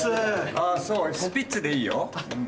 あぁそう？スピッツでいいよ？